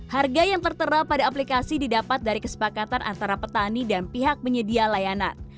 harga yang tertera pada aplikasi didapat dari kesepakatan antara petani dan pihak penyedia layanan